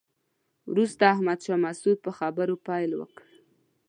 وروسته احمد شاه مسعود په خبرو پیل وکړ.